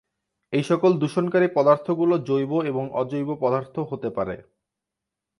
এইসকল দূষণকারী পদার্থগুলো জৈব এবং অজৈব পদার্থ হতে পারে।